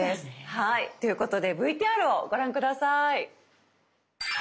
はいということでＶＴＲをご覧下さい。